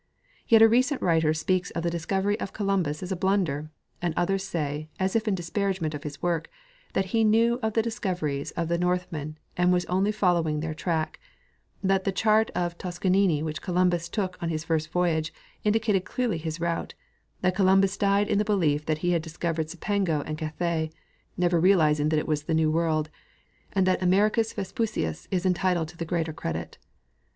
Yet a recent writer speaks of the discovery of Columbus as a blunder, and others say, as if in disparagement of his work, that he knew of the discoveries of the Northmen and was only following their track ; that the chart of Toscanelli which Columbus took on his first voyage indicated clearl}'' his route ; that Columbus died in the belief tliat he had discovered Cipango and Cathay, never realizing that it was tlie new world, and that Americus Vespucius is entitled to the greater credit.